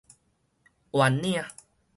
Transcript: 圓領